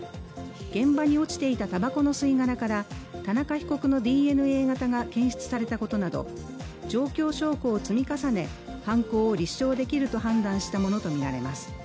現場に落ちていたたばこの吸い殻から田中被告のＤＮＡ型が検出されたことなど状況証拠を積み重ね、犯行を立証できると判断したものとみられます。